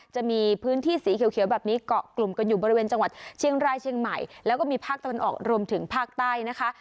จะมีพื้นที่สีเขียวแบบนี้เกาะกลุ่มกันอยู่บริเวณจังหวัดเชียงรายเชียงใหม่แล้วก็มีภาคตะวันออกรวมถึงภาคใต้นะคะ